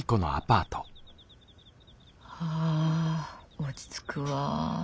はぁ落ち着くわ。